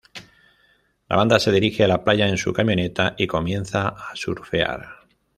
La banda se dirige a la playa en su camioneta y comienza a surfear.